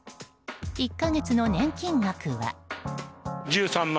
１か月の年金額は。